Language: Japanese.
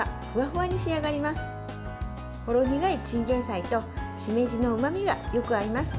ほろ苦いチンゲンサイとしめじのうまみがよく合います。